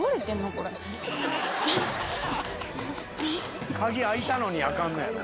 これ・鍵開いたのに開かんのやろ。